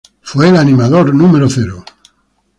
Fue el animador No.